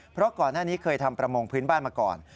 เพราะก่อนหน้านี้เคยทำประมงพื้นบ้านมาก่อน